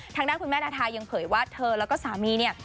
ทางด้านคุณแม่นาทายังเผยว่าเธอแล้วก็สามีเนี่ย